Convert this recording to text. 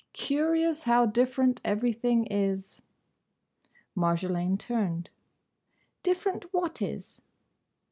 "Curious, how different everything is." Marjolaine turned. "Different what is?"